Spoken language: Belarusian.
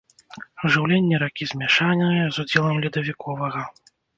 Жыўленне ракі змяшанае, з удзелам ледавіковага.